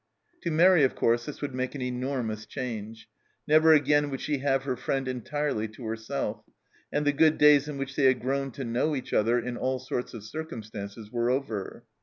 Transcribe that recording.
To Mairi, of course, this would make an enormous change ; never again would she have her friend entirely to herself, and the good days in which they had grown to know each other in all sorts of circumstances were over.